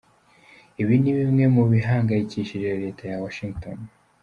Ibi ni bimwe mu bihangayikishije leta ya Washingiton.